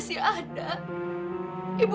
tapi pak fajar itu kan anaknya baik